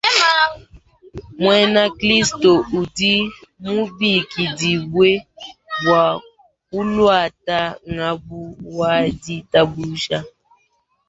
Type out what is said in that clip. Muena kilisto udi mubikidibue bua kuluata ngabu wa ditabuja.